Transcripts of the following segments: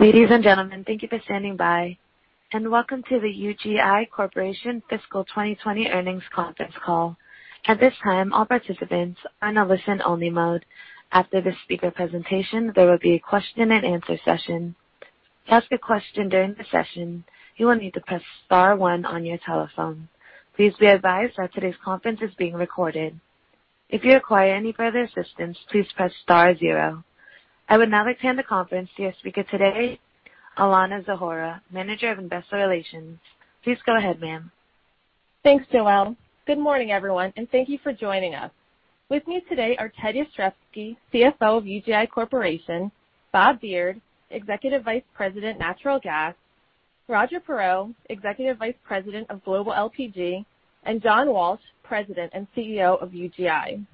Ladies and gentlemen, thank you for standing by, and welcome to the UGI Corporation Fiscal 2020 Earnings Conference Call. At this time, all participants are in a listen-only mode. After the speaker presentation, there will be a question-and-answer session. To ask a question during the session, you will need to press star one on your telephone. Please be advised that today's conference is being recorded. If you require any further assistance, please press star zero. I would now like to hand the conference to our speaker today, Alanna Zahora, Manager of Investor Relations. Please go ahead, ma'am. Thanks, Joelle. Good morning, everyone, thank you for joining us. With me today are Ted Jastrzebski, CFO of UGI Corporation, Bob Beard, Executive Vice President, Natural Gas, Roger Perreault, Executive Vice President of Global LPG, and John Walsh, President and CEO of UGI.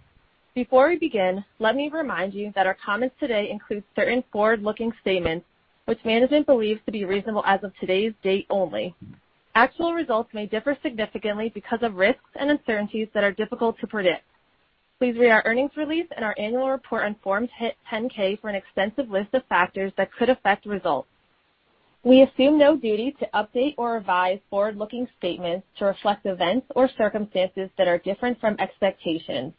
Before we begin, let me remind you that our comments today include certain forward-looking statements which management believes to be reasonable as of today's date only. Actual results may differ significantly because of risks and uncertainties that are difficult to predict. Please read our earnings release and our annual report on Form 10-K for an extensive list of factors that could affect results. We assume no duty to update or revise forward-looking statements to reflect events or circumstances that are different from expectations.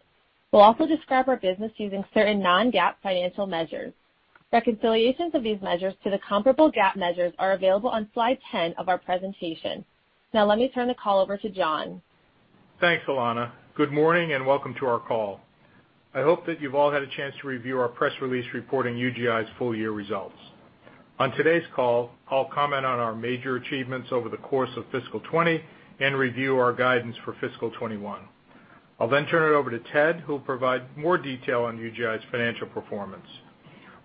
We'll also describe our business using certain non-GAAP financial measures. Reconciliations of these measures to the comparable GAAP measures are available on slide 10 of our presentation. Now let me turn the call over to John. Thanks, Alanna. Good morning, welcome to our call. I hope that you've all had a chance to review our press release reporting UGI's full-year results. On today's call, I'll comment on our major achievements over the course of fiscal 2020 and review our guidance for fiscal 2021. I'll then turn it over to Ted, who will provide more detail on UGI's financial performance.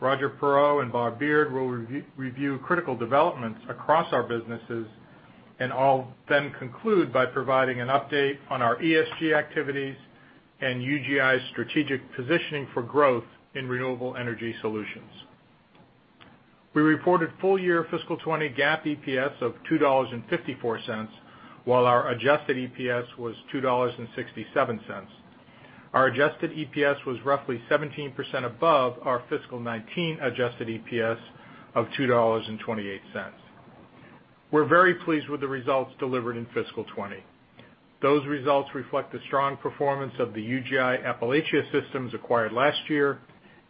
Roger Perreault and Bob Beard will review critical developments across our businesses, I'll then conclude by providing an update on our ESG activities and UGI's strategic positioning for growth in renewable energy solutions. We reported full-year fiscal 2020 GAAP EPS of $2.54, while our adjusted EPS was $2.67. Our adjusted EPS was roughly 17% above our fiscal 2019 adjusted EPS of $2.28. We're very pleased with the results delivered in fiscal 2020. Those results reflect the strong performance of the UGI Appalachia systems acquired last year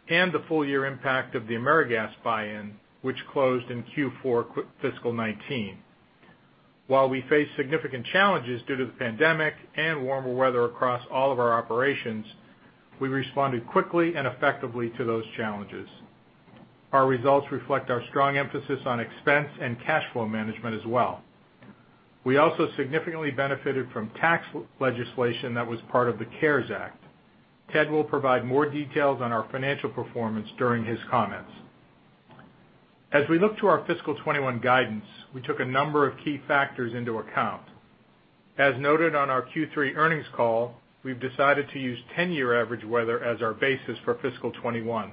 and the full-year impact of the AmeriGas buy-in, which closed in Q4 fiscal 2019. While we face significant challenges due to the pandemic and warmer weather across all of our operations, we responded quickly and effectively to those challenges. Our results reflect our strong emphasis on expense and cash flow management as well. We also significantly benefited from tax legislation that was part of the CARES Act. Ted will provide more details on our financial performance during his comments. We look to our fiscal 2021 guidance, we took a number of key factors into account. Noted on our Q3 earnings call, we've decided to use 10-year average weather as our basis for fiscal 2021.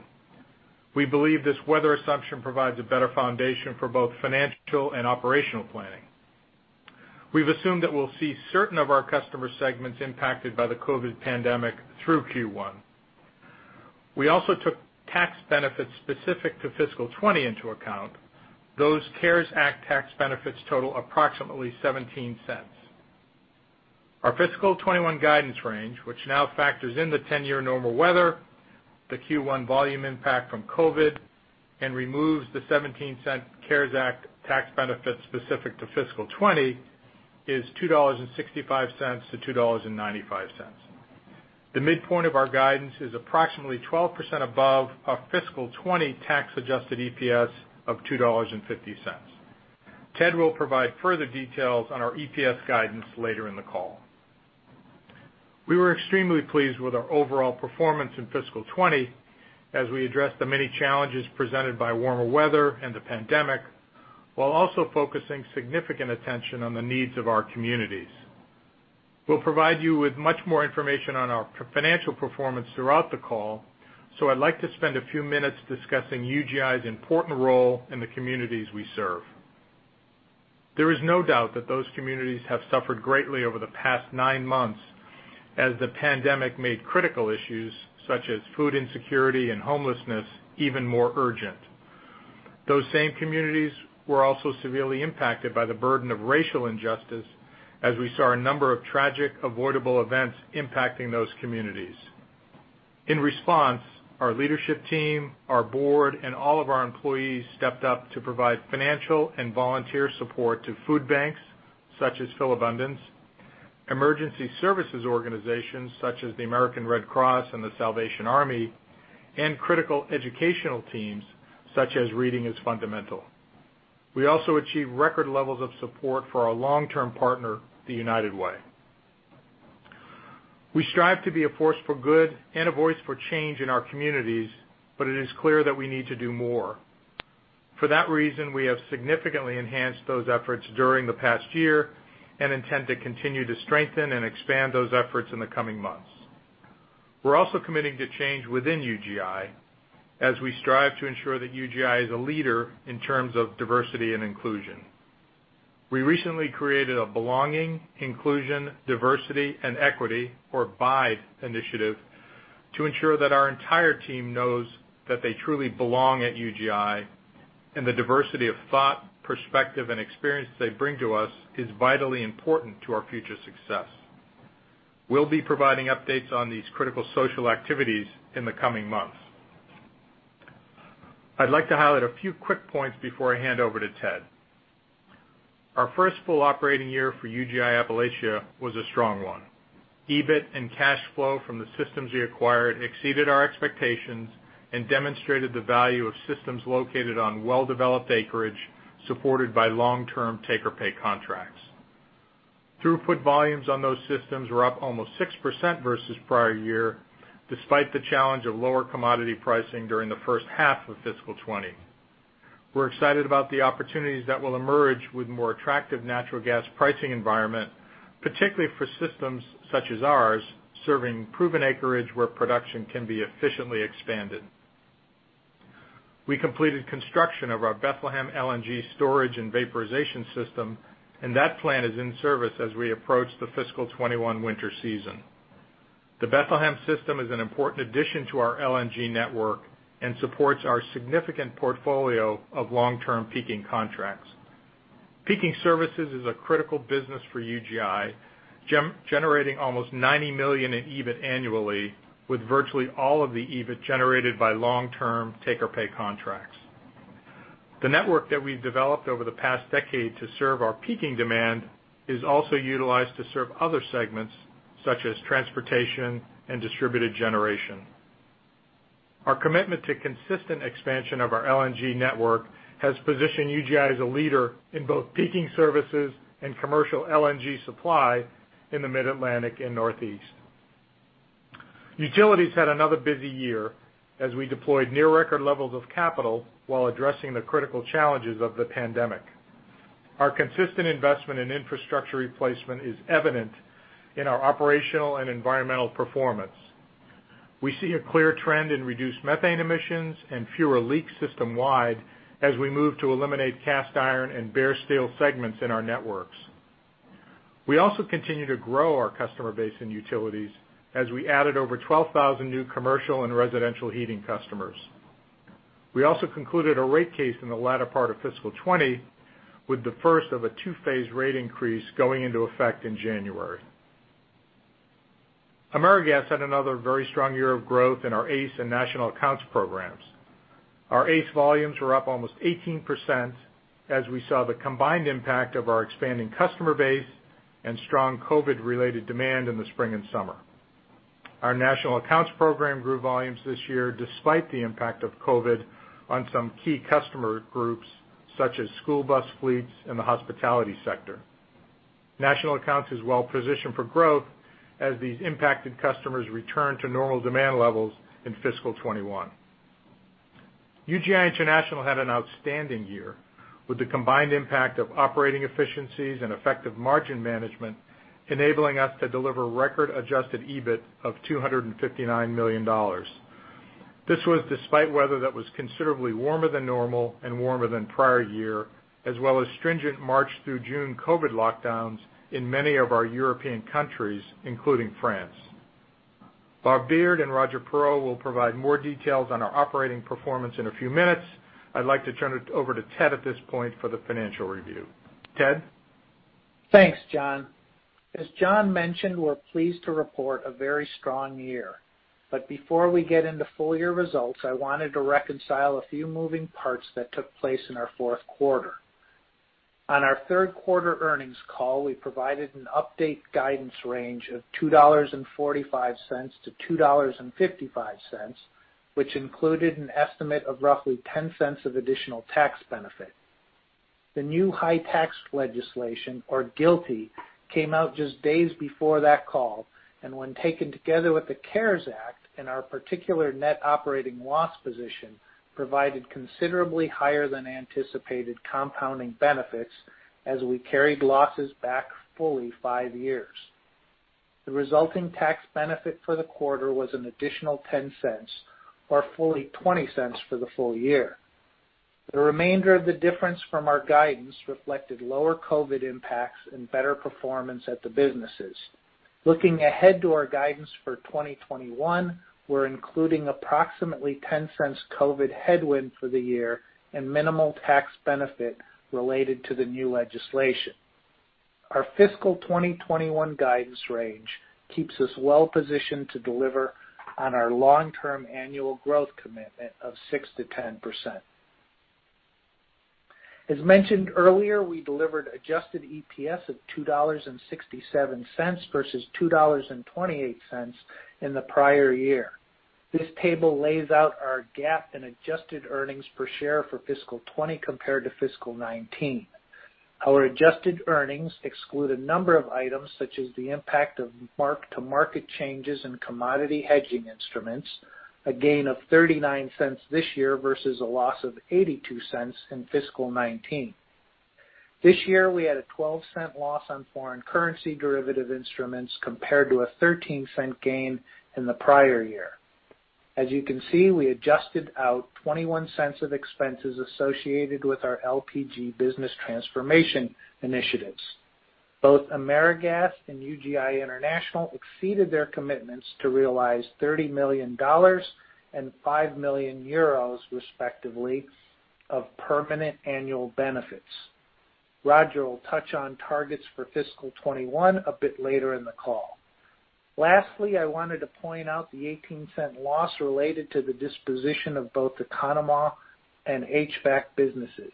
We believe this weather assumption provides a better foundation for both financial and operational planning. We've assumed that we'll see certain of our customer segments impacted by the COVID pandemic through Q1. We also took tax benefits specific to fiscal 2020 into account. Those CARES Act tax benefits total approximately $0.17. Our fiscal 2021 guidance range, which now factors in the 10-year normal weather, the Q1 volume impact from COVID, and removes the $0.17 CARES Act tax benefit specific to fiscal 2020, is $2.65-$2.95. The midpoint of our guidance is approximately 12% above our fiscal 2020 tax-adjusted EPS of $2.50. Ted will provide further details on our EPS guidance later in the call. We were extremely pleased with our overall performance in fiscal 2020 as we addressed the many challenges presented by warmer weather and the pandemic while also focusing significant attention on the needs of our communities. We'll provide you with much more information on our financial performance throughout the call. I'd like to spend a few minutes discussing UGI's important role in the communities we serve. There is no doubt that those communities have suffered greatly over the past nine months as the pandemic made critical issues such as food insecurity and homelessness even more urgent. Those same communities were also severely impacted by the burden of racial injustice as we saw a number of tragic, avoidable events impacting those communities. In response, our leadership team, our board, and all of our employees stepped up to provide financial and volunteer support to food banks such as Philabundance, emergency services organizations such as the American Red Cross and the Salvation Army, and critical educational teams such as Reading Is Fundamental. We also achieved record levels of support for our long-term partner, the United Way. We strive to be a force for good and a voice for change in our communities, but it is clear that we need to do more. For that reason, we have significantly enhanced those efforts during the past year and intend to continue to strengthen and expand those efforts in the coming months. We're also committing to change within UGI as we strive to ensure that UGI is a leader in terms of diversity and inclusion. We recently created a Belonging, Inclusion, Diversity, and Equity, or BIDE, initiative, to ensure that our entire team knows that they truly belong at UGI, and the diversity of thought, perspective, and experience they bring to us is vitally important to our future success. We'll be providing updates on these critical social activities in the coming months. I'd like to highlight a few quick points before I hand over to Ted. Our first full operating year for UGI Appalachia was a strong one. EBIT and cash flow from the systems we acquired exceeded our expectations and demonstrated the value of systems located on well-developed acreage, supported by long-term take-or-pay contracts. Throughput volumes on those systems were up almost 6% versus prior year, despite the challenge of lower commodity pricing during the first half of fiscal 2020. We're excited about the opportunities that will emerge with more attractive natural gas pricing environment, particularly for systems such as ours, serving proven acreage where production can be efficiently expanded. We completed construction of our Bethlehem LNG storage and vaporization system, and that plant is in service as we approach the fiscal 2021 winter season. The Bethlehem system is an important addition to our LNG network and supports our significant portfolio of long-term peaking contracts. Peaking services is a critical business for UGI, generating almost $90 million in EBIT annually, with virtually all of the EBIT generated by long-term take-or-pay contracts. The network that we've developed over the past decade to serve our peaking demand is also utilized to serve other segments, such as transportation and distributed generation. Our commitment to consistent expansion of our LNG network has positioned UGI as a leader in both peaking services and commercial LNG supply in the Mid-Atlantic and Northeast. Utilities had another busy year as we deployed near-record levels of capital while addressing the critical challenges of the pandemic. Our consistent investment in infrastructure replacement is evident in our operational and environmental performance. We see a clear trend in reduced methane emissions and fewer leaks system-wide as we move to eliminate cast iron and bare steel segments in our networks. We also continue to grow our customer base in utilities as we added over 12,000 new commercial and residential heating customers. We also concluded a rate case in the latter part of fiscal 2020, with the first of a two-phase rate increase going into effect in January. AmeriGas had another very strong year of growth in our ACE and National Accounts programs. Our ACE volumes were up almost 18% as we saw the combined impact of our expanding customer base and strong COVID-related demand in the spring and summer. Our National Accounts program grew volumes this year despite the impact of COVID on some key customer groups, such as school bus fleets and the hospitality sector. National Accounts is well-positioned for growth as these impacted customers return to normal demand levels in fiscal 2021. UGI International had an outstanding year, with the combined impact of operating efficiencies and effective margin management enabling us to deliver record adjusted EBIT of $259 million. This was despite weather that was considerably warmer than normal and warmer than prior year, as well as stringent March through June COVID lockdowns in many of our European countries, including France. Bob Beard and Roger Perreault will provide more details on our operating performance in a few minutes. I'd like to turn it over to Ted at this point for the financial review. Ted? Thanks, John. As John mentioned, we're pleased to report a very strong year. Before we get into full year results, I wanted to reconcile a few moving parts that took place in our fourth quarter. On our third quarter earnings call, we provided an update guidance range of $2.45-$2.55, which included an estimate of roughly $0.10 of additional tax benefit. The new high-tax legislation, or GILTI, came out just days before that call, and when taken together with the CARES Act and our particular net operating loss position, provided considerably higher than anticipated compounding benefits as we carried losses back fully five years. The resulting tax benefit for the quarter was an additional $0.10, or fully $0.20 for the full year. The remainder of the difference from our guidance reflected lower COVID impacts and better performance at the businesses. Looking ahead to our guidance for 2021, we're including approximately $0.10 COVID headwind for the year and minimal tax benefit related to the new legislation. Our fiscal 2021 guidance range keeps us well-positioned to deliver on our long-term annual growth commitment of 6%-10%. As mentioned earlier, we delivered adjusted EPS of $2.67 versus $2.28 in the prior year. This table lays out our GAAP and adjusted earnings per share for fiscal 2020 compared to fiscal 2019. Our adjusted earnings exclude a number of items, such as the impact of mark-to-market changes in commodity hedging instruments, a gain of $0.39 this year versus a loss of $0.82 in fiscal 2019. This year, we had a $0.12 loss on foreign currency derivative instruments compared to a $0.13 gain in the prior year. As you can see, we adjusted out $0.21 of expenses associated with our LPG business transformation initiatives. Both AmeriGas and UGI International exceeded their commitments to realize $30 million and 5 million euros respectively, of permanent annual benefits. Roger will touch on targets for fiscal 2021 a bit later in the call. Lastly, I wanted to point out the $0.18 loss related to the disposition of both the Conemaugh and HVAC businesses.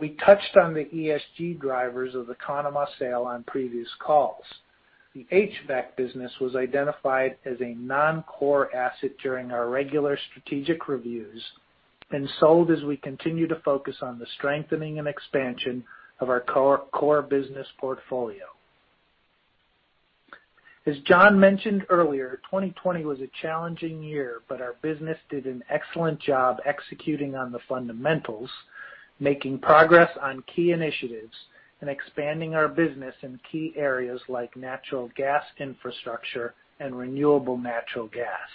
We touched on the ESG drivers of the Conemaugh sale on previous calls. The HVAC business was identified as a non-core asset during our regular strategic reviews and sold as we continue to focus on the strengthening and expansion of our core business portfolio. As John mentioned earlier, 2020 was a challenging year, but our business did an excellent job executing on the fundamentals, making progress on key initiatives, and expanding our business in key areas like natural gas infrastructure and renewable natural gas.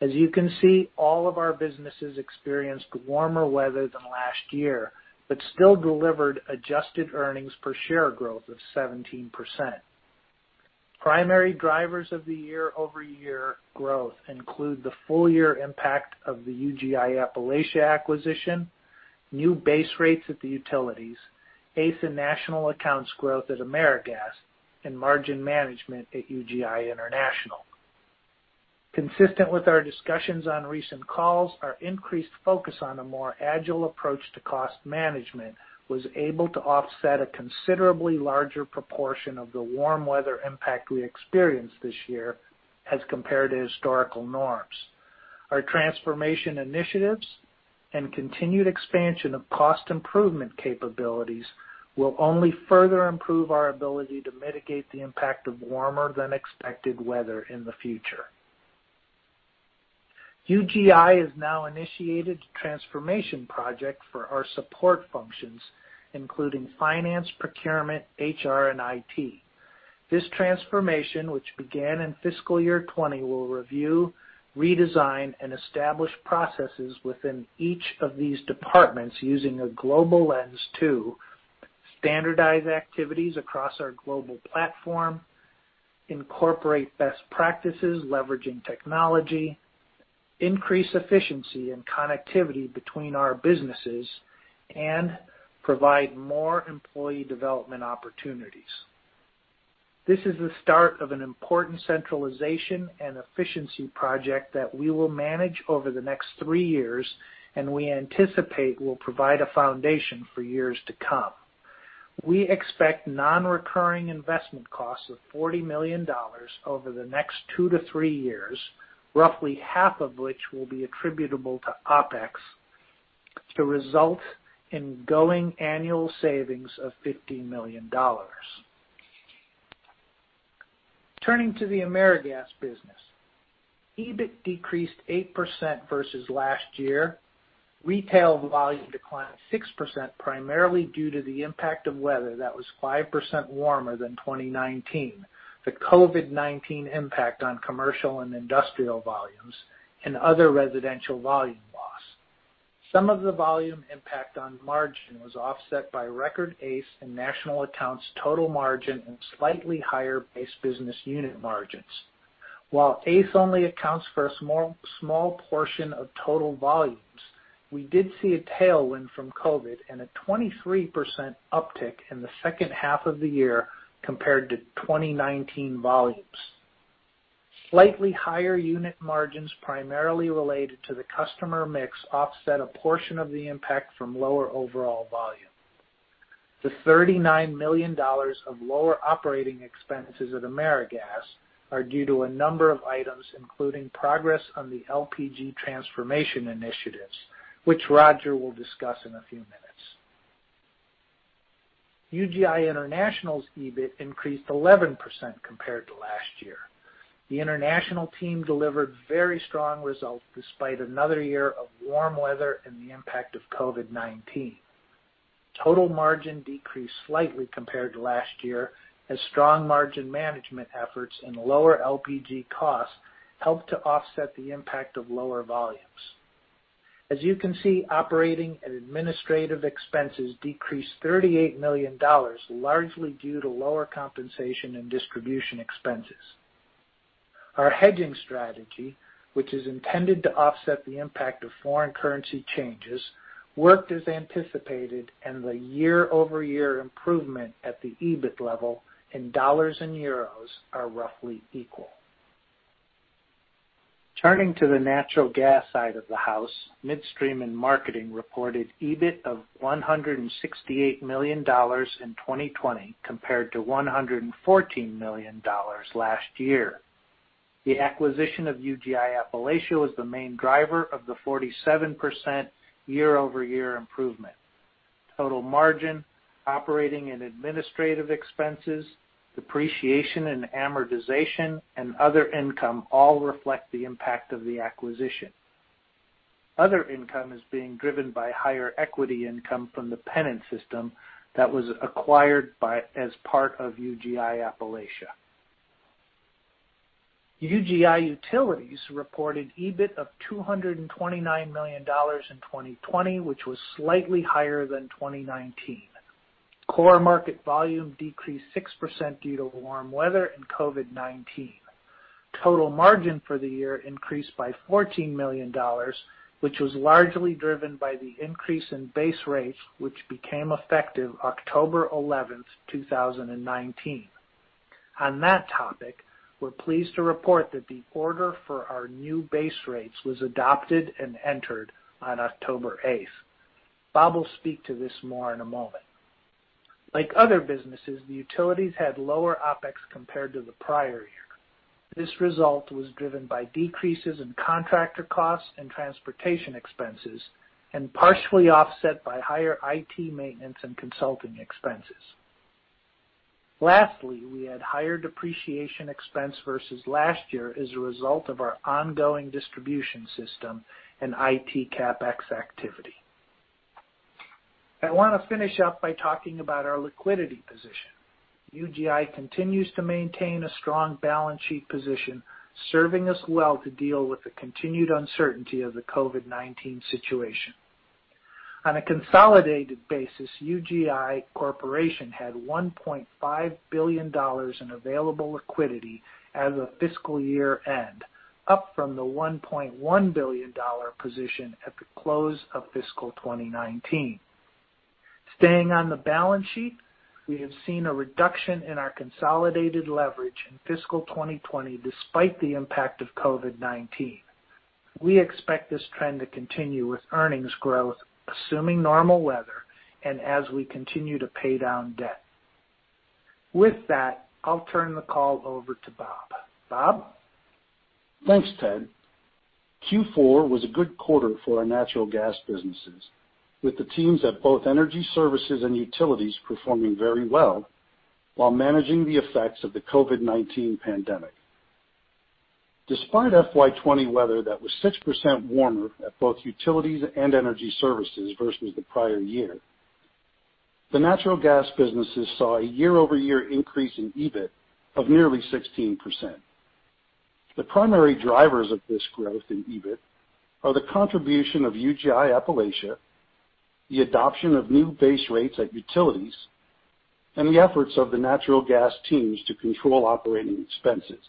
As you can see, all of our businesses experienced warmer weather than last year, but still delivered adjusted earnings per share growth of 17%. Primary drivers of the year-over-year growth include the full-year impact of the UGI Appalachia acquisition, new base rates at the utilities, ACE and National Accounts growth at AmeriGas, and margin management at UGI International. Consistent with our discussions on recent calls, our increased focus on a more agile approach to cost management was able to offset a considerably larger proportion of the warm weather impact we experienced this year as compared to historical norms. Our transformation initiatives and continued expansion of cost improvement capabilities will only further improve our ability to mitigate the impact of warmer than expected weather in the future. UGI has now initiated a transformation project for our support functions, including finance, procurement, HR, and IT. This transformation, which began in fiscal year 2020, will review, redesign, and establish processes within each of these departments using a global lens to standardize activities across our global platform, incorporate best practices leveraging technology, increase efficiency and connectivity between our businesses, and provide more employee development opportunities. This is the start of an important centralization and efficiency project that we will manage over the next three years and we anticipate will provide a foundation for years to come. We expect non-recurring investment costs of $40 million over the next two to three years, roughly half of which will be attributable to OPEX, to result in going annual savings of $50 million. Turning to the AmeriGas business. EBIT decreased 8% versus last year. Retail volume declined 6%, primarily due to the impact of weather that was 5% warmer than 2019, the COVID-19 impact on commercial and industrial volumes, and other residential volume loss. Some of the volume impact on margin was offset by record ACE and National Accounts total margin and slightly higher base business unit margins. While ACE only accounts for a small portion of total volumes, we did see a tailwind from COVID and a 23% uptick in the second half of the year compared to 2019 volumes. Slightly higher unit margins primarily related to the customer mix offset a portion of the impact from lower overall volume. The $39 million of lower operating expenses at AmeriGas are due to a number of items, including progress on the LPG transformation initiatives, which Roger will discuss in a few minutes. UGI International's EBIT increased 11% compared to last year. The international team delivered very strong results despite another year of warm weather and the impact of COVID-19. Total margin decreased slightly compared to last year, as strong margin management efforts and lower LPG costs helped to offset the impact of lower volumes. As you can see, operating and administrative expenses decreased $38 million, largely due to lower compensation and distribution expenses. Our hedging strategy, which is intended to offset the impact of foreign currency changes, worked as anticipated, and the year-over-year improvement at the EBIT level in dollars and euros are roughly equal. Turning to the natural gas side of the house, Midstream & Marketing reported EBIT of $168 million in 2020 compared to $114 million last year. The acquisition of UGI Appalachia was the main driver of the 47% year-over-year improvement. Total margin, operating and administrative expenses, depreciation and amortization, and other income all reflect the impact of the acquisition. Other income is being driven by higher equity income from the Pennant system that was acquired as part of UGI Appalachia. UGI Utilities reported EBIT of $229 million in 2020, which was slightly higher than 2019. Core market volume decreased 6% due to warm weather and COVID-19. Total margin for the year increased by $14 million, which was largely driven by the increase in base rates, which became effective October 11, 2019. On that topic, we're pleased to report that the order for our new base rates was adopted and entered on October 8th. Bob will speak to this more in a moment. Like other businesses, the utilities had lower OPEX compared to the prior year. This result was driven by decreases in contractor costs and transportation expenses, and partially offset by higher IT maintenance and consulting expenses. Lastly, we had higher depreciation expense versus last year as a result of our ongoing distribution system and IT CapEx activity. I want to finish up by talking about our liquidity position. UGI continues to maintain a strong balance sheet position, serving us well to deal with the continued uncertainty of the COVID-19 situation. On a consolidated basis, UGI Corporation had $1.5 billion in available liquidity as of fiscal year-end, up from the $1.1 billion position at the close of fiscal 2019. Staying on the balance sheet, we have seen a reduction in our consolidated leverage in fiscal 2020 despite the impact of COVID-19. We expect this trend to continue with earnings growth, assuming normal weather and as we continue to pay down debt. With that, I'll turn the call over to Bob. Bob? Thanks, Ted. Q4 was a good quarter for our natural gas businesses, with the teams at both Energy Services and Utilities performing very well while managing the effects of the COVID-19 pandemic. Despite FY 2020 weather that was 6% warmer at both Utilities and Energy Services versus the prior year, the natural gas businesses saw a year-over-year increase in EBIT of nearly 16%. The primary drivers of this growth in EBIT are the contribution of UGI Appalachia, the adoption of new base rates at Utilities, and the efforts of the natural gas teams to control operating expenses.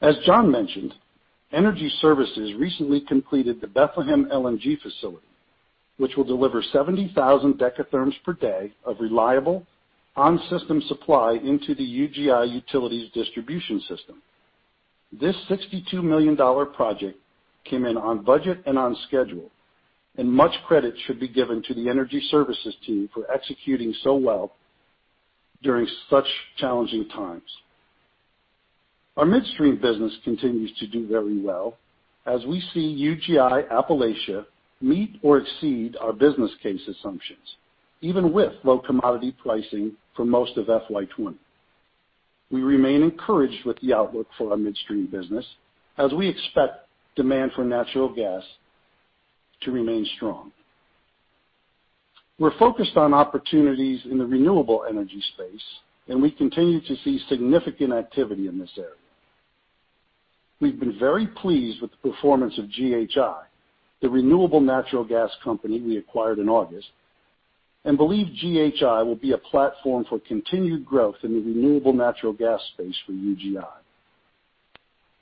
As John mentioned, Energy Services recently completed the Bethlehem LNG facility, which will deliver 70,000 dekatherms per day of reliable on-system supply into the UGI Utilities distribution system. This $62 million project came in on budget and on schedule, and much credit should be given to the Energy Services team for executing so well during such challenging times. Our midstream business continues to do very well as we see UGI Appalachia meet or exceed our business case assumptions, even with low commodity pricing for most of FY 2020. We remain encouraged with the outlook for our midstream business as we expect demand for natural gas to remain strong. We're focused on opportunities in the renewable energy space, and we continue to see significant activity in this area. We've been very pleased with the performance of GHI, the renewable natural gas company we acquired in August, and believe GHI will be a platform for continued growth in the renewable natural gas space for UGI.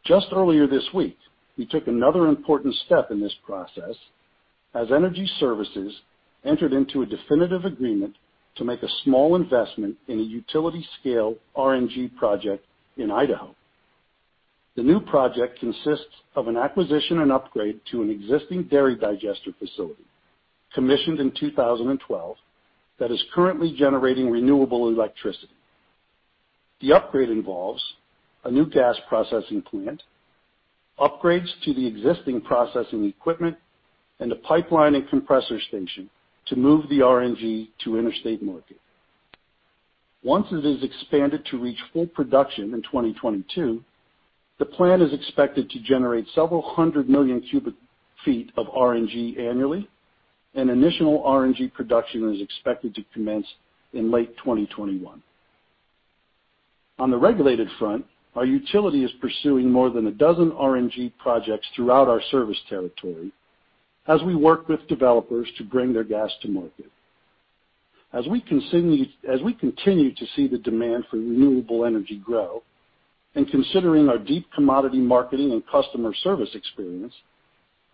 Just earlier this week, we took another important step in this process as Energy Services entered into a definitive agreement to make a small investment in a utility-scale RNG project in Idaho. The new project consists of an acquisition and upgrade to an existing dairy digester facility commissioned in 2012 that is currently generating renewable electricity. The upgrade involves a new gas processing plant, upgrades to the existing processing equipment, and a pipeline and compressor station to move the RNG to interstate market. Once it is expanded to reach full production in 2022, the plant is expected to generate several hundred million cubic feet of RNG annually, and initial RNG production is expected to commence in late 2021. On the regulated front, our utility is pursuing more than a dozen RNG projects throughout our service territory as we work with developers to bring their gas to market. As we continue to see the demand for renewable energy grow, and considering our deep commodity marketing and customer service experience,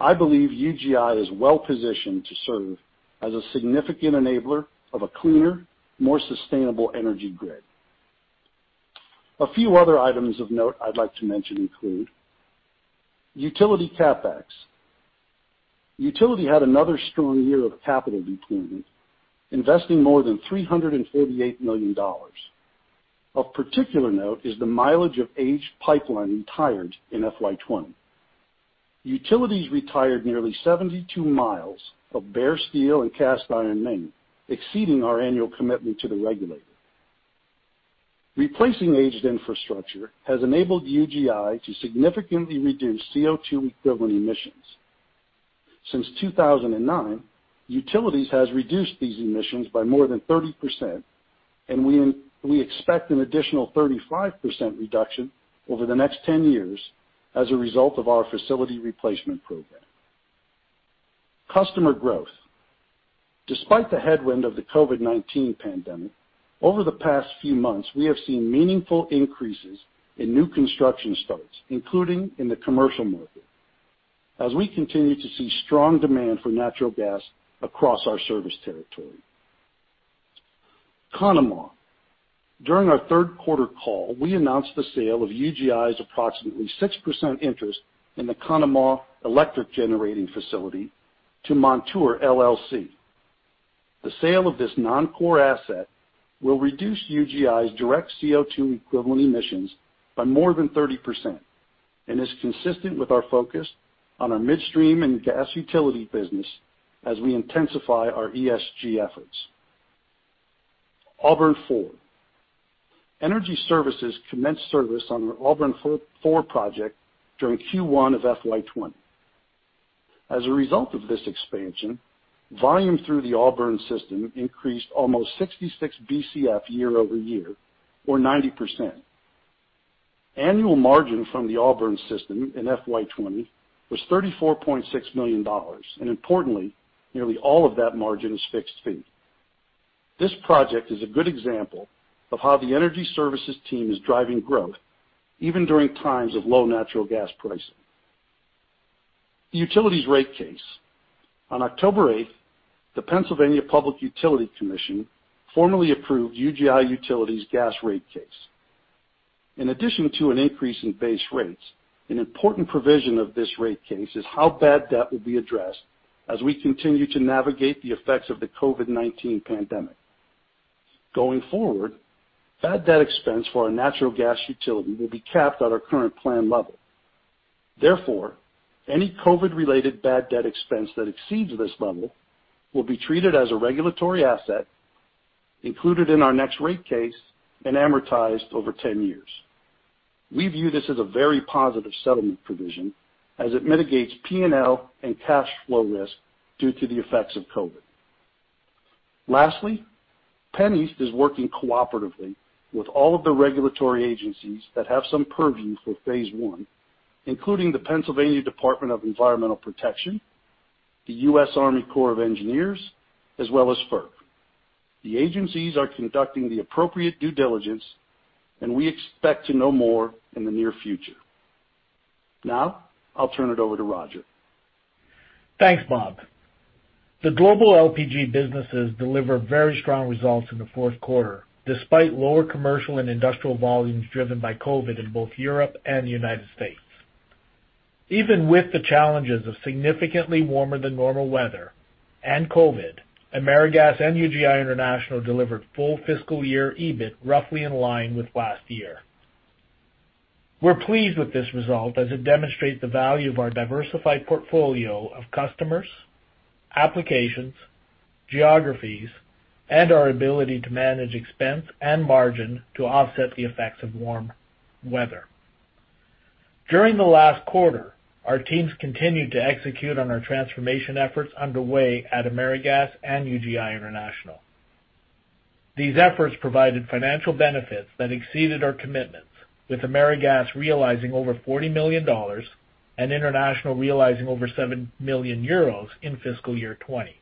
I believe UGI is well-positioned to serve as a significant enabler of a cleaner, more sustainable energy grid. A few other items of note I'd like to mention include: Utility CapEx. Utility had another strong year of capital deployment, investing more than $348 million. Of particular note is the mileage of aged pipeline retired in FY 2020. Utilities retired nearly 72 miles of bare steel and cast iron main, exceeding our annual commitment to the regulator. Replacing aged infrastructure has enabled UGI to significantly reduce CO2-equivalent emissions. Since 2009, Utilities has reduced these emissions by more than 30%, and we expect an additional 35% reduction over the next 10 years as a result of our facility replacement program. Customer growth. Despite the headwind of the COVID-19 pandemic, over the past few months, we have seen meaningful increases in new construction starts, including in the commercial market, as we continue to see strong demand for natural gas across our service territory. Conemaugh. During our third quarter call, we announced the sale of UGI's approximately 6% interest in the Conemaugh Electric Generating Facility to Montour LLC. The sale of this non-core asset will reduce UGI's direct CO2-equivalent emissions by more than 30% and is consistent with our focus on our midstream and gas utility business as we intensify our ESG efforts. Auburn IV. Energy Services commenced service on our Auburn IV project during Q1 of FY 2020. As a result of this expansion, volume through the Auburn system increased almost 66 BCF year-over-year, or 90%. Annual margin from the Auburn system in FY 2020 was $34.6 million, importantly, nearly all of that margin is fixed fee. This project is a good example of how the Energy Services team is driving growth even during times of low natural gas pricing. Utilities rate case. On October 8th, the Pennsylvania Public Utility Commission formally approved UGI Utilities gas rate case. In addition to an increase in base rates, an important provision of this rate case is how bad debt will be addressed as we continue to navigate the effects of the COVID-19 pandemic. Going forward, bad debt expense for our natural gas utility will be capped at our current plan level. Therefore, any COVID-related bad debt expense that exceeds this level will be treated as a regulatory asset, included in our next rate case, and amortized over 10 years. We view this as a very positive settlement provision as it mitigates P&L and cash flow risk due to the effects of COVID. Lastly, PennEast is working cooperatively with all of the regulatory agencies that have some purview for phase one, including the Pennsylvania Department of Environmental Protection, the U.S. Army Corps of Engineers, as well as FERC. The agencies are conducting the appropriate due diligence and we expect to know more in the near future. Now, I'll turn it over to Roger. Thanks, Bob. The global LPG businesses delivered very strong results in the fourth quarter, despite lower commercial and industrial volumes driven by COVID in both Europe and the United States. Even with the challenges of significantly warmer-than-normal weather and COVID, AmeriGas and UGI International delivered full fiscal year EBIT roughly in line with last year. We're pleased with this result as it demonstrates the value of our diversified portfolio of customers, applications, geographies, and our ability to manage expense and margin to offset the effects of warm weather. During the last quarter, our teams continued to execute on our transformation efforts underway at AmeriGas and UGI International. These efforts provided financial benefits that exceeded our commitments, with AmeriGas realizing over $40 million and International realizing over 7 million euros in fiscal year '20.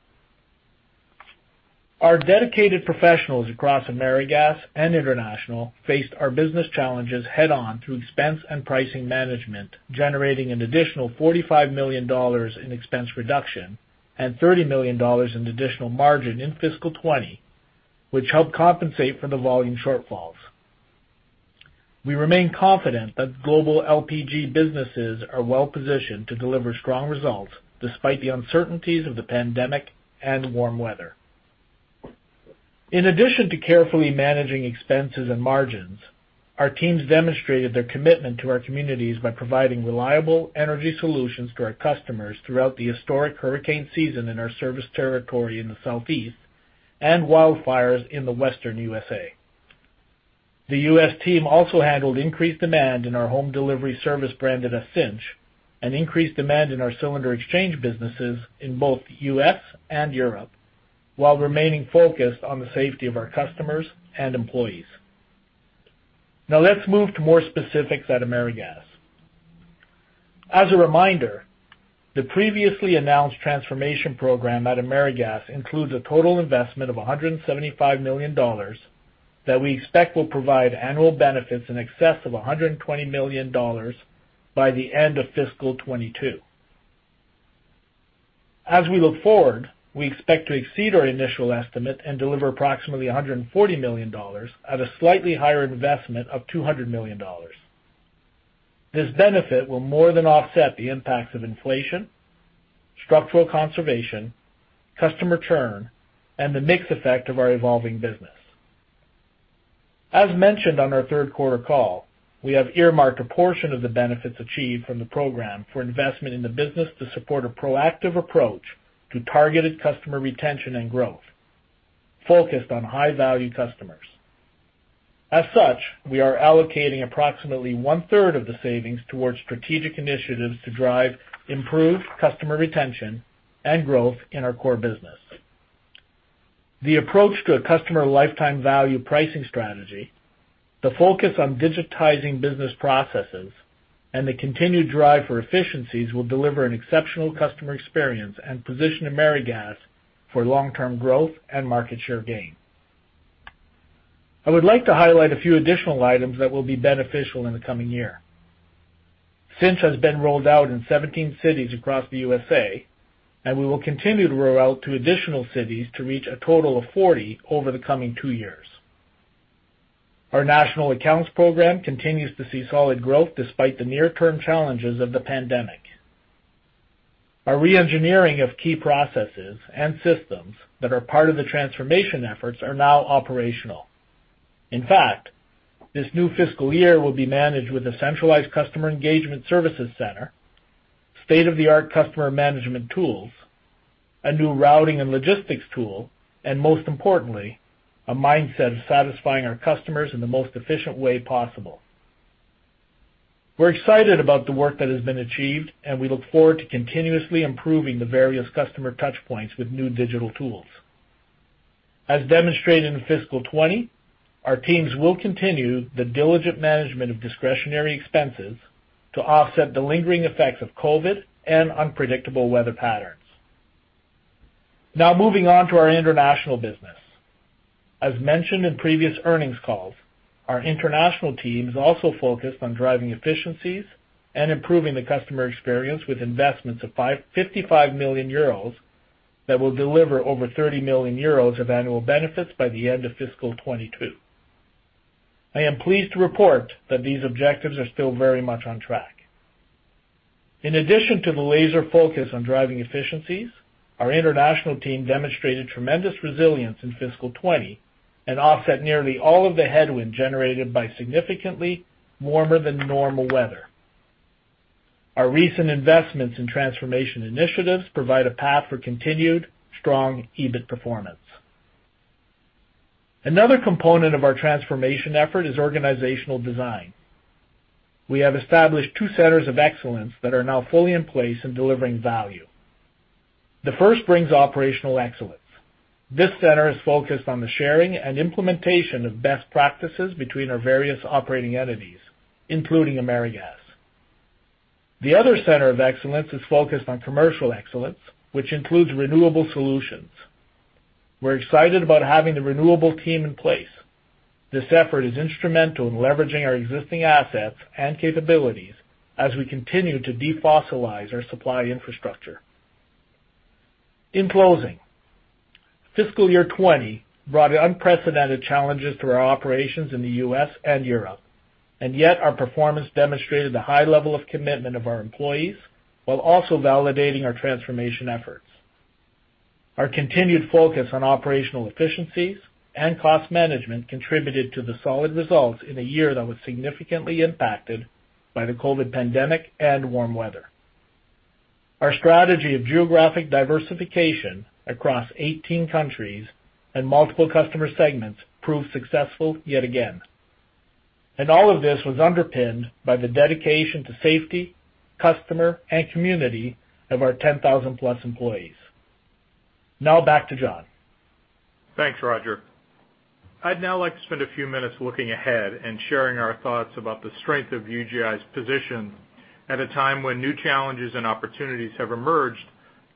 Our dedicated professionals across AmeriGas and International faced our business challenges head-on through expense and pricing management, generating an additional $45 million in expense reduction and $30 million in additional margin in fiscal 2020, which helped compensate for the volume shortfalls. We remain confident that global LPG businesses are well-positioned to deliver strong results despite the uncertainties of the pandemic and warm weather. In addition to carefully managing expenses and margins, our teams demonstrated their commitment to our communities by providing reliable energy solutions to our customers throughout the historic hurricane season in our service territory in the Southeast and wildfires in the Western U.S.A. The U.S. team also handled increased demand in our home delivery service branded Cynch and increased demand in our cylinder exchange businesses in both the U.S. and Europe, while remaining focused on the safety of our customers and employees. Let's move to more specifics at AmeriGas. As a reminder, the previously announced transformation program at AmeriGas includes a total investment of $175 million that we expect will provide annual benefits in excess of $120 million by the end of fiscal 2022. As we look forward, we expect to exceed our initial estimate and deliver approximately $140 million at a slightly higher investment of $200 million. This benefit will more than offset the impacts of inflation, structural conservation, customer churn, and the mix effect of our evolving business. As mentioned on our third quarter call, we have earmarked a portion of the benefits achieved from the program for investment in the business to support a proactive approach to targeted customer retention and growth focused on high-value customers. As such, we are allocating approximately one-third of the savings towards strategic initiatives to drive improved customer retention and growth in our core business. The approach to a customer lifetime value pricing strategy, the focus on digitizing business processes, and the continued drive for efficiencies will deliver an exceptional customer experience and position AmeriGas for long-term growth and market share gain. I would like to highlight a few additional items that will be beneficial in the coming year. Cynch has been rolled out in 17 cities across the U.S.A., and we will continue to roll out to additional cities to reach a total of 40 over the coming two years. Our National Accounts program continues to see solid growth despite the near-term challenges of the pandemic. Our re-engineering of key processes and systems that are part of the transformation efforts are now operational. In fact, this new fiscal year will be managed with a centralized customer engagement services center, state-of-the-art customer management tools, a new routing and logistics tool, and most importantly, a mindset of satisfying our customers in the most efficient way possible. We're excited about the work that has been achieved, we look forward to continuously improving the various customer touchpoints with new digital tools. As demonstrated in fiscal 2020, our teams will continue the diligent management of discretionary expenses to offset the lingering effects of COVID-19 and unpredictable weather patterns. Moving on to our international business. As mentioned in previous earnings calls, our international team is also focused on driving efficiencies and improving the customer experience with investments of 55 million euros that will deliver over 30 million euros of annual benefits by the end of fiscal 2022. I am pleased to report that these objectives are still very much on track. In addition to the laser focus on driving efficiencies, our international team demonstrated tremendous resilience in fiscal 2020 and offset nearly all of the headwind generated by significantly warmer than normal weather. Our recent investments in transformation initiatives provide a path for continued strong EBIT performance. Another component of our transformation effort is organizational design. We have established two centers of excellence that are now fully in place in delivering value. The first brings operational excellence. This center is focused on the sharing and implementation of best practices between our various operating entities, including AmeriGas. The other center of excellence is focused on commercial excellence, which includes renewable solutions. We're excited about having the renewable team in place. This effort is instrumental in leveraging our existing assets and capabilities as we continue to defossilize our supply infrastructure. In closing, fiscal year 2020 brought unprecedented challenges to our operations in the U.S. and Europe, yet our performance demonstrated the high level of commitment of our employees while also validating our transformation efforts. Our continued focus on operational efficiencies and cost management contributed to the solid results in a year that was significantly impacted by the COVID-19 pandemic and warm weather. Our strategy of geographic diversification across 18 countries and multiple customer segments proved successful yet again. All of this was underpinned by the dedication to safety, customer, and community of our 10,000-plus employees. Now back to John. Thanks, Roger. I'd now like to spend a few minutes looking ahead and sharing our thoughts about the strength of UGI's position at a time when new challenges and opportunities have emerged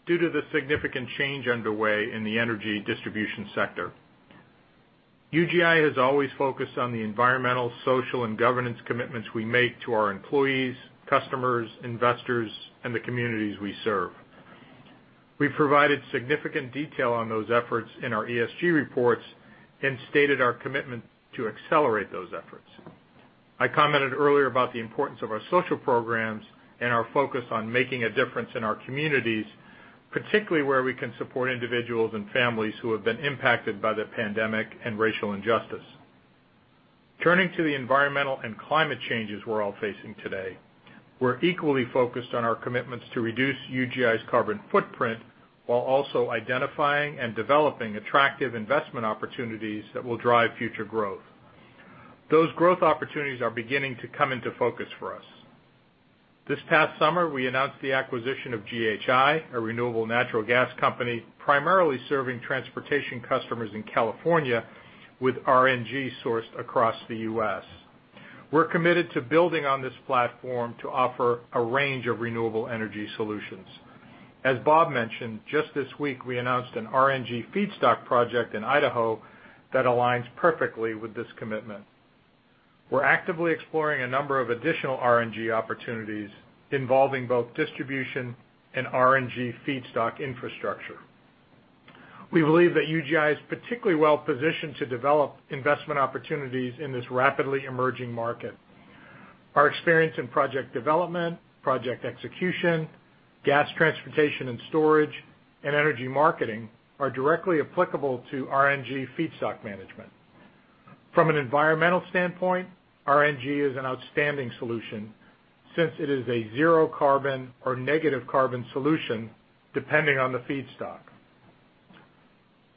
due to the significant change underway in the energy distribution sector. UGI has always focused on the environmental, social, and governance commitments we make to our employees, customers, investors, and the communities we serve. We've provided significant detail on those efforts in our ESG reports and stated our commitment to accelerate those efforts. I commented earlier about the importance of our social programs and our focus on making a difference in our communities, particularly where we can support individuals and families who have been impacted by the pandemic and racial injustice. Turning to the environmental and climate changes we're all facing today, we're equally focused on our commitments to reduce UGI's carbon footprint while also identifying and developing attractive investment opportunities that will drive future growth. Those growth opportunities are beginning to come into focus for us. This past summer, we announced the acquisition of GHI, a renewable natural gas company primarily serving transportation customers in California with RNG sourced across the U.S. We're committed to building on this platform to offer a range of renewable energy solutions. As Bob mentioned, just this week, we announced an RNG feedstock project in Idaho that aligns perfectly with this commitment. We're actively exploring a number of additional RNG opportunities involving both distribution and RNG feedstock infrastructure. We believe that UGI is particularly well-positioned to develop investment opportunities in this rapidly emerging market. Our experience in project development, project execution, gas transportation and storage, and energy marketing are directly applicable to RNG feedstock management. From an environmental standpoint, RNG is an outstanding solution since it is a zero-carbon or negative-carbon solution depending on the feedstock.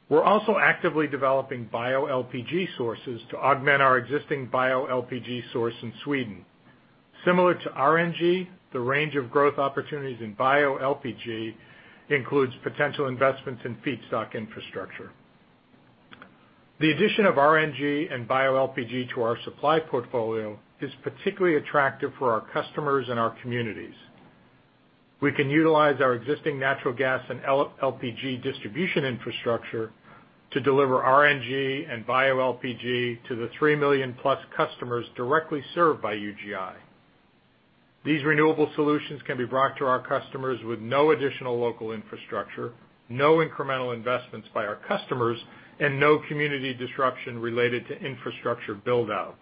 We're also actively developing bioLPG sources to augment our existing bioLPG source in Sweden. Similar to RNG, the range of growth opportunities in bioLPG includes potential investments in feedstock infrastructure. The addition of RNG and bioLPG to our supply portfolio is particularly attractive for our customers and our communities. We can utilize our existing natural gas and LPG distribution infrastructure to deliver RNG and bioLPG to the 3 million-plus customers directly served by UGI. These renewable solutions can be brought to our customers with no additional local infrastructure, no incremental investments by our customers, and no community disruption related to infrastructure build-out.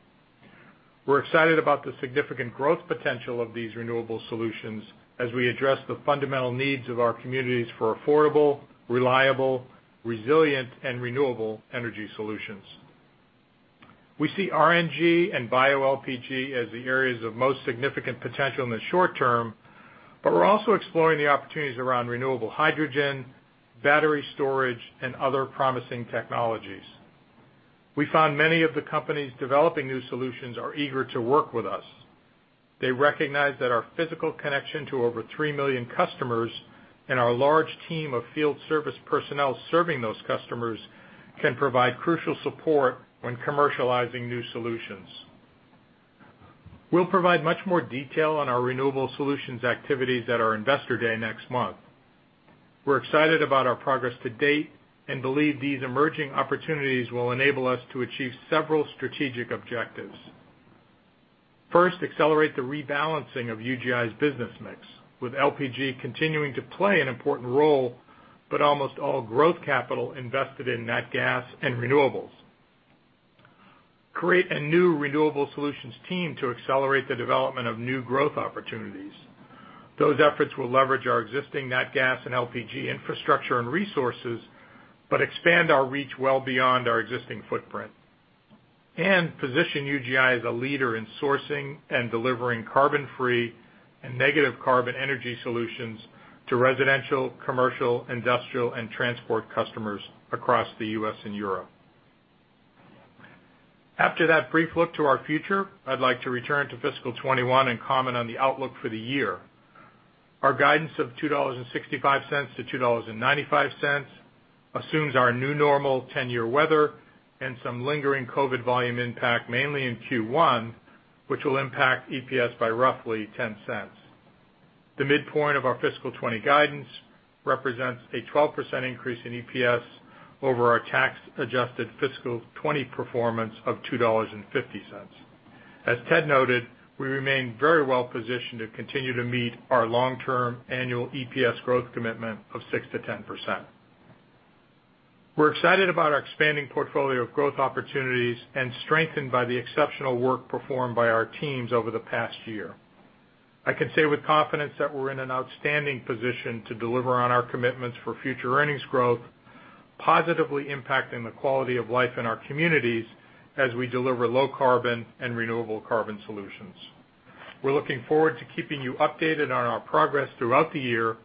We're excited about the significant growth potential of these renewable solutions as we address the fundamental needs of our communities for affordable, reliable, resilient, and renewable energy solutions. We see RNG and bioLPG as the areas of most significant potential in the short term, but we're also exploring the opportunities around renewable hydrogen, battery storage, and other promising technologies. We found many of the companies developing new solutions are eager to work with us. They recognize that our physical connection to over 3 million customers and our large team of field service personnel serving those customers can provide crucial support when commercializing new solutions. We'll provide much more detail on our renewable solutions activities at our Investor Day next month. We're excited about our progress to date and believe these emerging opportunities will enable us to achieve several strategic objectives. Accelerate the rebalancing of UGI's business mix, with LPG continuing to play an important role, but almost all growth capital invested in nat gas and renewables. Create a new renewable solutions team to accelerate the development of new growth opportunities. Those efforts will leverage our existing nat gas and LPG infrastructure and resources, but expand our reach well beyond our existing footprint and position UGI as a leader in sourcing and delivering carbon-free and negative carbon energy solutions to residential, commercial, industrial, and transport customers across the U.S. and Europe. After that brief look to our future, I'd like to return to fiscal 2021 and comment on the outlook for the year. Our guidance of $2.65-$2.95 assumes our new normal 10-year weather and some lingering COVID volume impact, mainly in Q1, which will impact EPS by roughly $0.10. The midpoint of our fiscal 2020 guidance represents a 12% increase in EPS over our tax-adjusted fiscal 2020 performance of $2.50. As Ted noted, we remain very well-positioned to continue to meet our long-term annual EPS growth commitment of 6%-10%. We're excited about our expanding portfolio of growth opportunities and strengthened by the exceptional work performed by our teams over the past year. I can say with confidence that we're in an outstanding position to deliver on our commitments for future earnings growth, positively impacting the quality of life in our communities as we deliver low carbon and renewable carbon solutions. We're looking forward to keeping you updated on our progress throughout the year,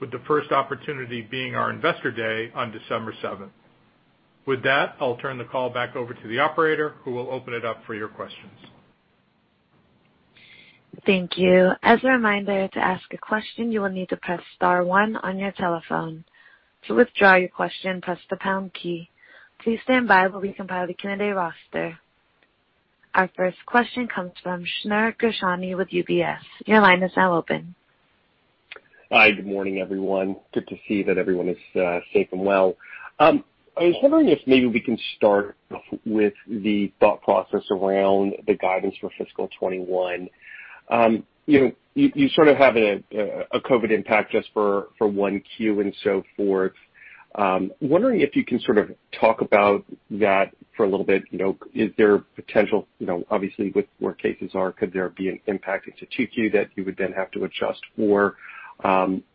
with the first opportunity being our Investor Day on December 7th. With that, I'll turn the call back over to the operator, who will open it up for your questions. Thank you. As a reminder, to ask a question, you will need to press star one on your telephone. To withdraw your question, press the pound key. Please stand by while we compile the candidate roster. Our first question comes from Shneur Gershuni with UBS. Your line is now open. Hi, good morning, everyone. Good to see that everyone is safe and well. I was wondering if maybe we can start with the thought process around the guidance for fiscal 2021. You sort of have a COVID impact just for one Q and so forth. I'm wondering if you can sort of talk about that for a little bit. Is there potential, obviously, with where cases are, could there be an impact into 2Q that you would then have to adjust?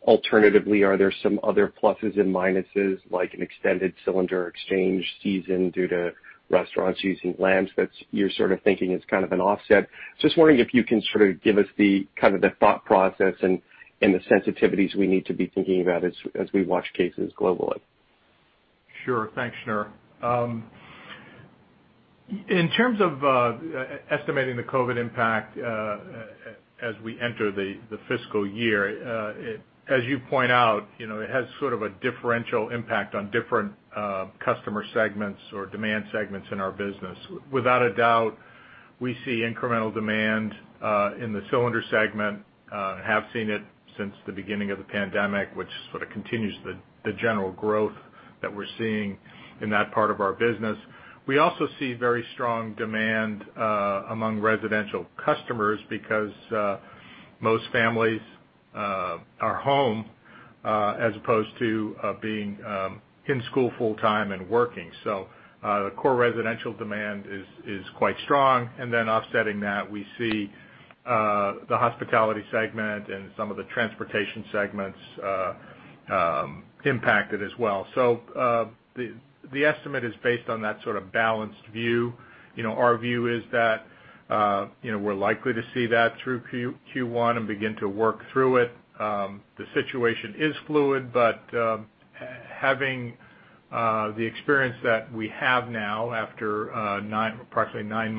Alternatively, are there some other pluses and minuses, like an extended cylinder exchange season due to restaurants using lamps that you're sort of thinking is kind of an offset? Just wondering if you can sort of give us the thought process and the sensitivities we need to be thinking about as we watch cases globally. Sure. Thanks, Shneur. In terms of estimating the COVID-19 impact as we enter the fiscal year, as you point out, it has sort of a differential impact on different customer segments or demand segments in our business. Without a doubt, we see incremental demand in the cylinder segment, have seen it since the beginning of the pandemic, which sort of continues the general growth that we're seeing in that part of our business. We also see very strong demand among residential customers because most families are home as opposed to being in school full-time and working. The core residential demand is quite strong. Offsetting that, we see the hospitality segment and some of the transportation segments impacted as well. The estimate is based on that sort of balanced view. Our view is that we're likely to see that through Q1 and begin to work through it. The situation is fluid, but having the experience that we have now after approximately nine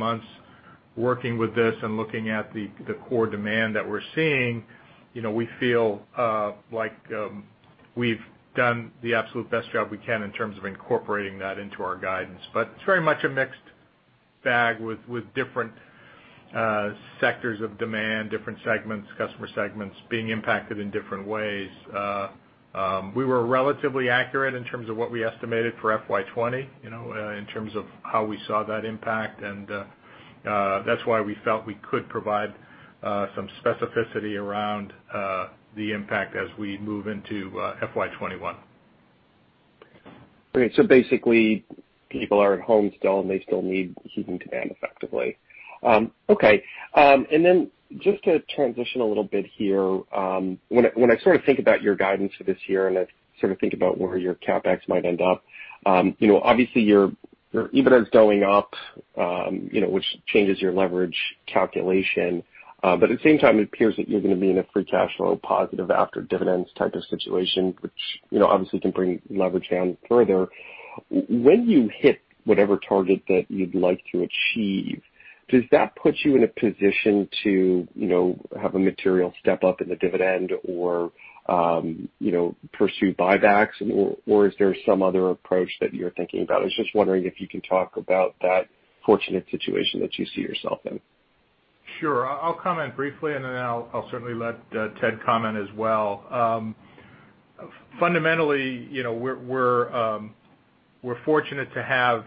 months working with this and looking at the core demand that we're seeing, we feel like we've done the absolute best job we can in terms of incorporating that into our guidance. It's very much a mixed bag with different sectors of demand, different customer segments being impacted in different ways. We were relatively accurate in terms of what we estimated for FY 2020, in terms of how we saw that impact, and that's why we felt we could provide some specificity around the impact as we move into FY 2021. Okay, basically, people are at home still, and they still need heating demand effectively. Okay. Just to transition a little bit here, when I think about your guidance for this year, and I think about where your CapEx might end up. Obviously your EBITDA's going up, which changes your leverage calculation. At the same time, it appears that you're going to be in a free cash flow positive after dividends type of situation, which obviously can bring leverage down further. When you hit whatever target that you'd like to achieve, does that put you in a position to have a material step up in the dividend or pursue buybacks? Is there some other approach that you're thinking about? I was just wondering if you can talk about that fortunate situation that you see yourself in. Sure. I'll comment briefly, and then I'll certainly let Ted comment as well. Fundamentally, we're fortunate to have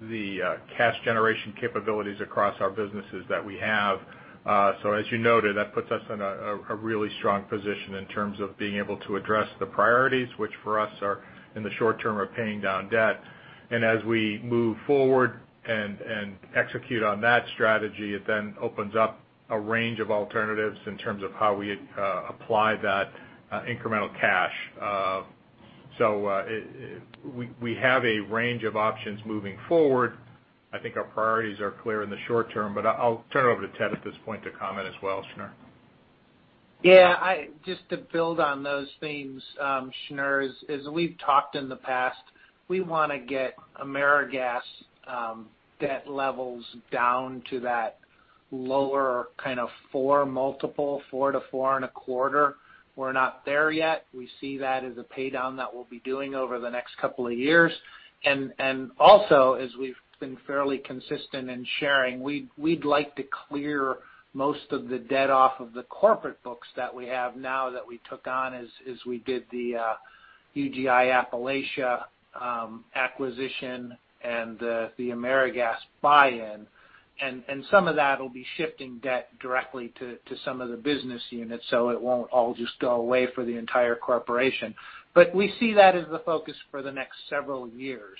the cash generation capabilities across our businesses that we have. As you noted, that puts us in a really strong position in terms of being able to address the priorities, which for us are in the short term, are paying down debt. As we move forward and execute on that strategy, it opens up a range of alternatives in terms of how we apply that incremental cash. We have a range of options moving forward. I think our priorities are clear in the short term, I'll turn it over to Ted at this point to comment as well, Shneur. Yeah. Just to build on those themes, Shneur, as we've talked in the past, we want to get AmeriGas debt levels down to that lower kind of 4 multiple, 4 to 4.25. We're not there yet. We see that as a pay-down that we'll be doing over the next couple of years. Also, as we've been fairly consistent in sharing, we'd like to clear most of the debt off of the corporate books that we have now that we took on as we did the UGI Appalachia acquisition and the AmeriGas buy-in. Some of that will be shifting debt directly to some of the business units, so it won't all just go away for the entire corporation. We see that as the focus for the next several years.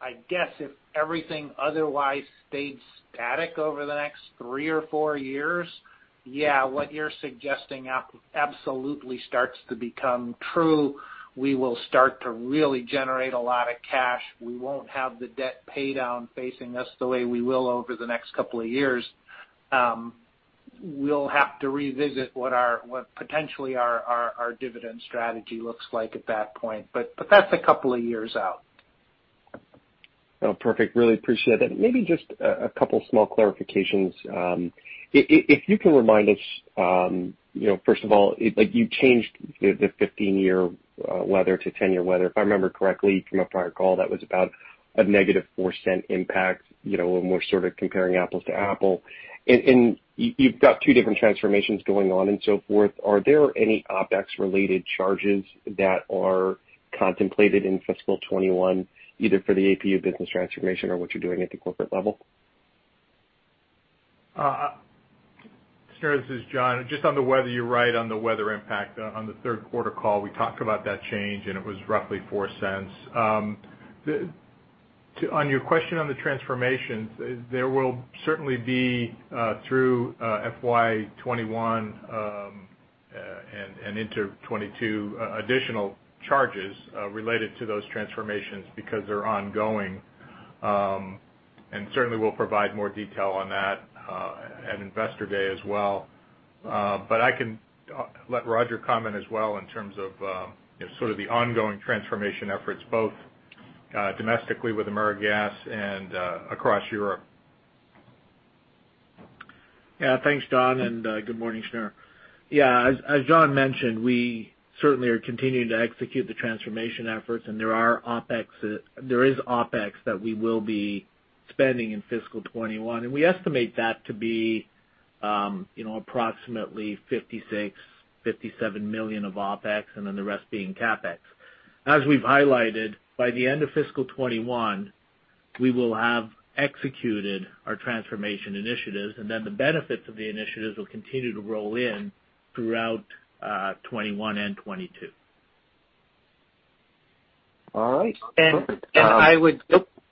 I guess if everything otherwise stayed static over the next three or four years, yeah, what you're suggesting absolutely starts to become true. We will start to really generate a lot of cash. We won't have the debt pay-down facing us the way we will over the next couple of years. We'll have to revisit what potentially our dividend strategy looks like at that point, but that's a couple of years out. Oh, perfect. Really appreciate that. Maybe just a couple small clarifications. If you can remind us, first of all, you changed the 15-year weather to 10-year weather. If I remember correctly from a prior call, that was about a negative $0.04 impact, when we're sort of comparing apples to apple. You've got two different transformations going on and so forth. Are there any OpEx-related charges that are contemplated in fiscal 2021, either for the APU business transformation or what you're doing at the corporate level? Shneur, this is John. Just on the weather, you're right on the weather impact. On the third quarter call, we talked about that change, and it was roughly $0.04. On your question on the transformations, there will certainly be, through FY 2021, and into 2022, additional charges related to those transformations because they're ongoing. Certainly we'll provide more detail on that at Investor Day as well. I can let Roger comment as well in terms of sort of the ongoing transformation efforts, both domestically with AmeriGas and across Europe. Yeah. Thanks, John. Good morning, Shneur. Yeah, as John mentioned, we certainly are continuing to execute the transformation efforts. There is OpEx that we will be spending in fiscal 2021. We estimate that to be approximately $56 million-$57 million of OpEx. The rest being CapEx. As we've highlighted, by the end of fiscal 2021, we will have executed our transformation initiatives. The benefits of the initiatives will continue to roll in throughout 2021 and 2022. All right. I would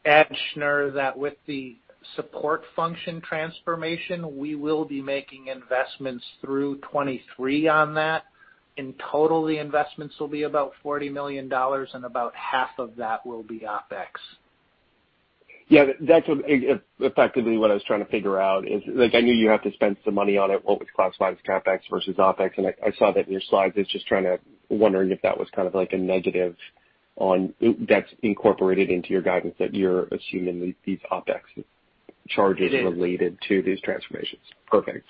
add, Shneur, that with the support function transformation, we will be making investments through 2023 on that. In total, the investments will be about $40 million, and about half of that will be OpEx. That's effectively what I was trying to figure out is, I knew you have to spend some money on it, what would classify as CapEx versus OpEx, and I saw that in your slides. I was just wondering if that was kind of a negative that's incorporated into your guidance that you're assuming these OpEx charges. It is related to these transformations. Perfect.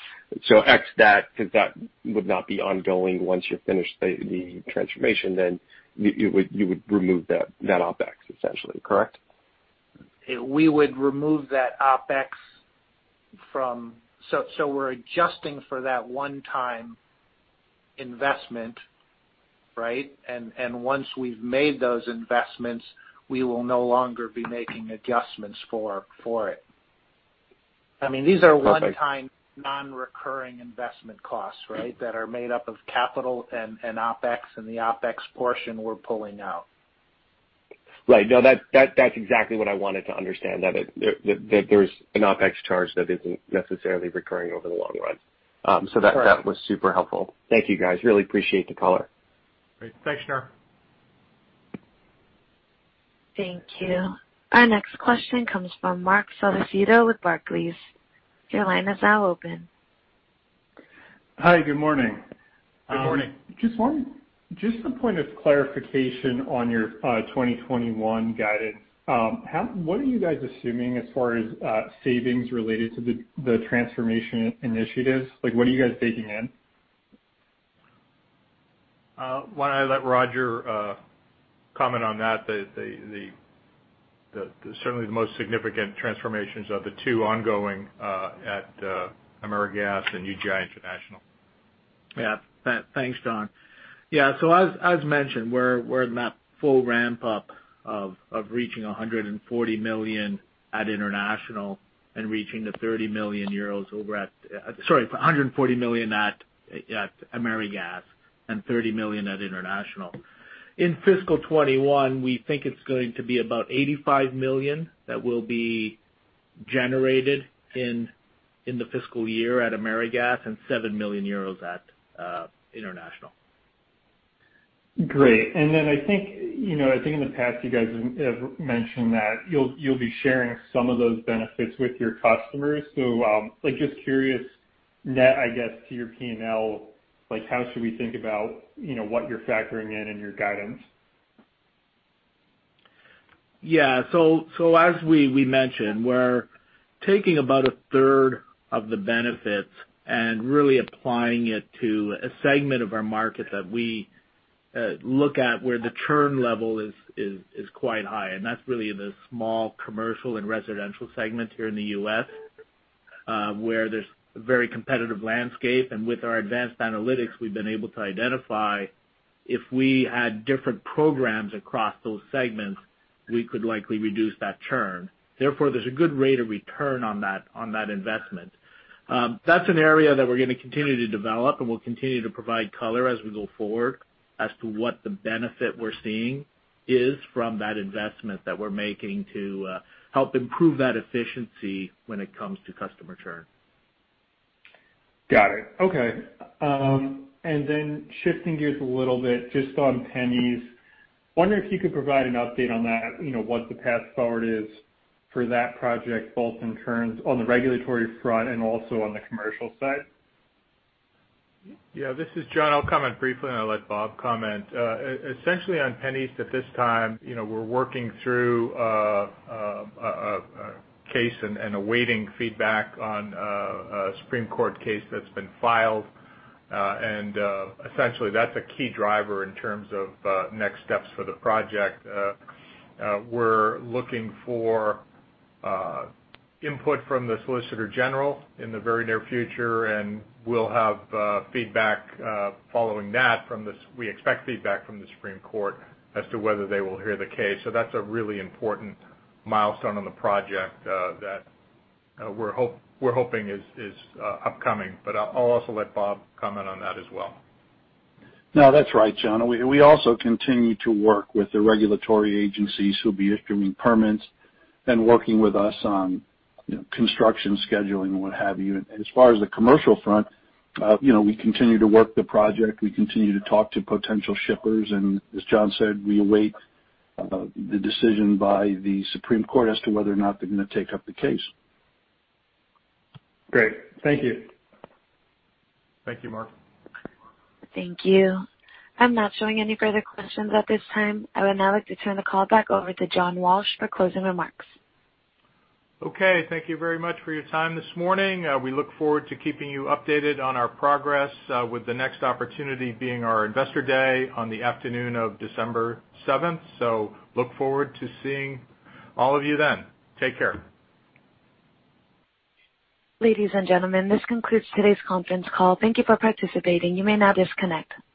X that, because that would not be ongoing once you finish the transformation, then you would remove that OpEx essentially. Correct? We would remove that OpEx. We're adjusting for that one-time investment, right? Once we've made those investments, we will no longer be making adjustments for it. Perfect non-recurring investment costs, right? That are made up of capital and OpEx, and the OpEx portion we're pulling out. Right. No, that's exactly what I wanted to understand, that there's an OPEX charge that isn't necessarily recurring over the long run. Correct. That was super helpful. Thank you, guys. Really appreciate the color. Great. Thanks, Shneur. Thank you. Our next question comes from Marc Scicchitano with Barclays. Hi, good morning. Good morning. Just a point of clarification on your 2021 guidance. What are you guys assuming as far as savings related to the transformation initiatives? What are you guys baking in? Why don't I let Roger comment on that? Certainly, the most significant transformations are the two ongoing at AmeriGas and UGI International. Thanks, John. As mentioned, we're in that full ramp-up of reaching $140 million at international and reaching the 30 million euros. Sorry, $140 million at AmeriGas and 30 million at international. In fiscal 2021, we think it's going to be about $85 million that will be generated in the fiscal year at AmeriGas and 7 million euros at international. Great. I think in the past you guys have mentioned that you'll be sharing some of those benefits with your customers. Just curious, net, I guess, to your P&L, how should we think about what you're factoring in in your guidance? As we mentioned, we're taking about a third of the benefits and really applying it to a segment of our market that we look at where the churn level is quite high. That's really in the small commercial and residential segments here in the U.S., where there's a very competitive landscape. With our advanced analytics, we've been able to identify if we had different programs across those segments, we could likely reduce that churn. Therefore, there's a good rate of return on that investment. That's an area that we're going to continue to develop, and we'll continue to provide color as we go forward as to what the benefit we're seeing is from that investment that we're making to help improve that efficiency when it comes to customer churn. Got it. Okay. Shifting gears a little bit just on PennEast. Wondering if you could provide an update on that, what the path forward is for that project, both in terms on the regulatory front and also on the commercial side? Yeah, this is John. I'll comment briefly, and I'll let Bob comment. Essentially on PennEast at this time, we're working through a case and awaiting feedback on a Supreme Court case that's been filed. Essentially, that's a key driver in terms of next steps for the project. We're looking for input from the solicitor general in the very near future, and we'll have feedback following that. We expect feedback from the Supreme Court as to whether they will hear the case. That's a really important milestone on the project that we're hoping is upcoming. I'll also let Bob comment on that as well. No, that's right, John. We also continue to work with the regulatory agencies who'll be issuing permits and working with us on construction scheduling, what have you. As far as the commercial front, we continue to work the project, we continue to talk to potential shippers, and as John said, we await the decision by the Supreme Court as to whether or not they're going to take up the case. Great. Thank you. Thank you, Marc. Thank you. I'm not showing any further questions at this time. I would now like to turn the call back over to John Walsh for closing remarks. Okay, thank you very much for your time this morning. We look forward to keeping you updated on our progress, with the next opportunity being our Investor Day on the afternoon of December 7th. Look forward to seeing all of you then. Take care. Ladies and gentlemen, this concludes today's conference call. Thank you for participating. You may now disconnect.